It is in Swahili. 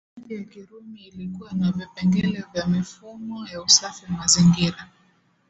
Miji ya Kirumi ilikuwa na vipengele vya mifumo ya usafi wa mazingira